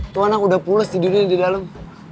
tuan aku udah pulas tidurnya di dalem